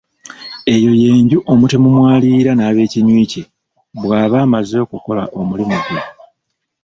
Eyo y'enju omutemu mwaliira n'abekinywi kye bw'aba amaze okukola omulimu gwe.